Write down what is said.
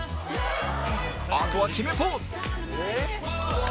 あとは決めポーズ